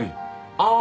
ああ。